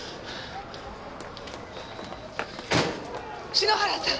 篠原さん！